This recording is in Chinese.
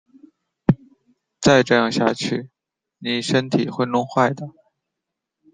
再这样下去妳身体会弄坏的